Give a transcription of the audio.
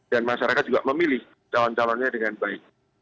dan masyarakat juga memilih calon calonnya dengan baik